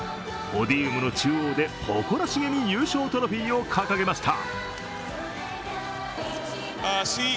ポディウムの中央で誇らしげに優勝トロフィーを掲げました。